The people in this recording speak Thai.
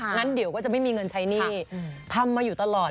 งั้นเดี๋ยวก็จะไม่มีเงินใช้หนี้ทำมาอยู่ตลอด